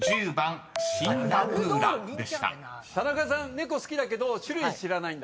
猫好きだけど種類知らないんだ？